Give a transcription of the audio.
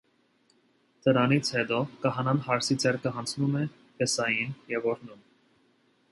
Դրանից հետո քահանան հարսի ձեռքը հանձնում է փեսային և օրհնում։